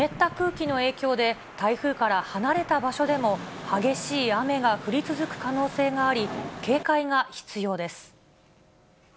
台風から離れた場所でも激しい雨が降り続く可能性があり、警戒が必要です。